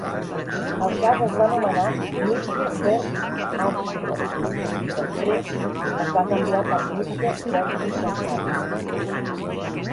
El cas es va anomenar "Nitke vers Ashcroft", després es va canviar per "Nitke versus Gonzales".